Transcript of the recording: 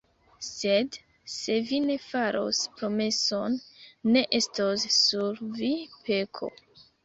Sed se vi ne faros promeson, ne estos sur vi peko.